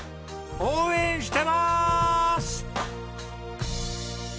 応援してます！